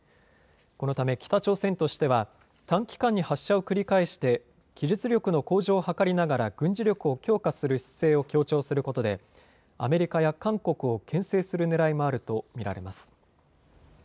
このため北朝鮮としては短期間に発射を繰り返して技術力の向上を図りながら軍事力を強化する姿勢を強調することでアメリカや韓国をけん制するねらいもあると見られます。